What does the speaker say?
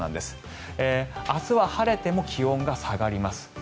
明日は晴れても気温が下がります。